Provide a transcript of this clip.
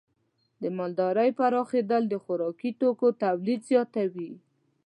د مالدارۍ پراخېدل د خوراکي توکو تولید زیاتوي.